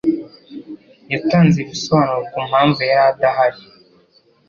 Yatanze ibisobanuro ku mpamvu yari adahari.